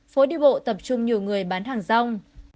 phố đi bộ tập trung nhiều người bán hàng rong